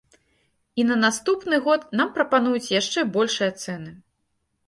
І на наступны год нам прапануюць яшчэ большыя цэны.